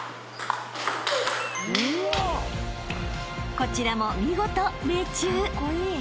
［こちらも見事命中］